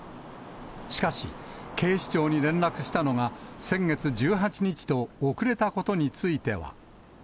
しかし、警視庁に連絡したのが先月１８日と遅れたことについては。